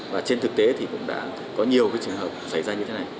và trên thực tế thì cũng đã có nhiều cái trường hợp xảy ra như thế này